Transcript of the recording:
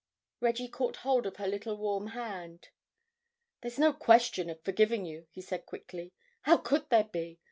Reggie caught hold of her little warm hand. "There's no question of forgiving you," he said quickly. "How could there be?